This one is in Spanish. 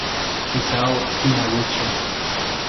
Isao Taniguchi